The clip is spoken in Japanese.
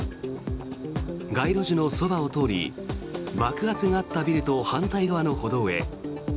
街路樹のそばを通り爆発があったビルと反対側の歩道へ。